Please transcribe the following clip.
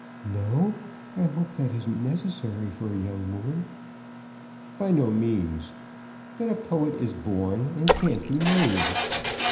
"No. I hope that isn't necessary for a young woman." "By no means. But a poet is born, and can't be made."